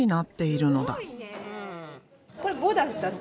これ「ぼ」だったっけ？